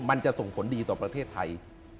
มันจะส่งผลดีต่อประเทศไทย